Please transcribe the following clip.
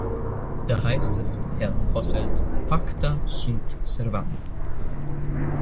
Da heißt es, Herr Posselt, pacta sunt servanda.